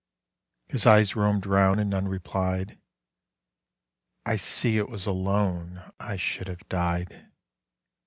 His eyes roamed round, and none replied. "I see it was alone I should have died."